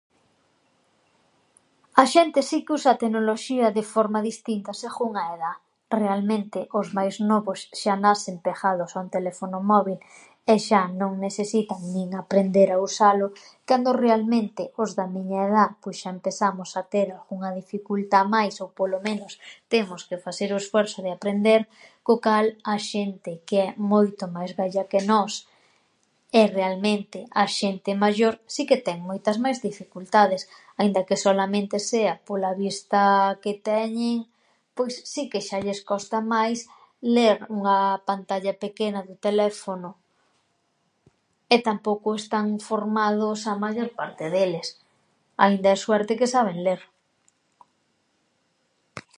A xente si que usa a tecnoloxía de forma distinta seghún a edá, realmente, os máis novos xa nasen peghados ao telefono móbil e xa non nesesitan nin aprender a usalo, cando realmente os da miña edá, pois, xa empesamos a ter unha dificultá máis ou polo menos temos que faser o esfuerzo de aprender, co cal a xente que é moito máis vella que nós e realmente a xente maior si que ten moitas máis dificultades, aínda que solamente sea pola vista que teñen, pois si que xa lles costa máis ler unha pantalla pequena nun teléfono, e tampouco están formados a maior parte deles, aínda é suerte que saben ler.